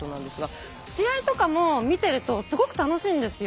試合とかも見てるとすごく楽しいんですよ。